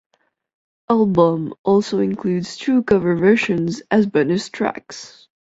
Album also includes two cover versions as bonus tracks.